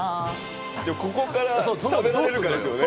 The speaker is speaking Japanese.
ここから食べられるかですよね。